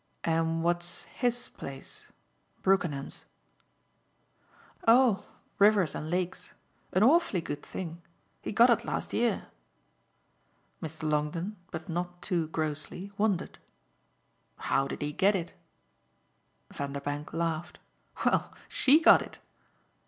"And what's HIS place Brookenham's?" "Oh Rivers and Lakes an awfully good thing. He got it last year." Mr. Longdon but not too grossly wondered. "How did he get it?" Vanderbank laughed. "Well, SHE got it."